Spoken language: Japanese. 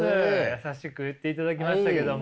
優しく言っていただきましたけども。